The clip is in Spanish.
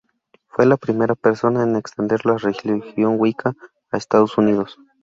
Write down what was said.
Fue la primera persona en extender la religión Wicca a Estados Unidos.